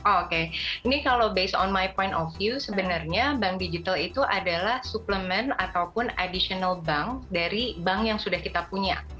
oke ini kalau berdasarkan pandangan saya sebenarnya bank digital itu adalah suplemen ataupun bank tambahan dari bank yang sudah kita punya